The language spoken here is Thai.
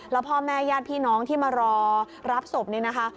แล้วพ่อแม่ญาติพี่น้องที่มารอรับศพนี่นะคะ